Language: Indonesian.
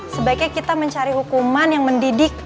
sebaiknya kita mencari hukuman yang mendidik